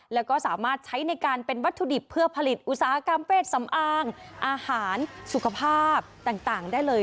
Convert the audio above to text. แล้วก็สามารถใช้ในการเป็นวัตถุดิบเพื่อผลิตอุตสาหกรรมเพศสำอางอาหารสุขภาพต่างได้เลย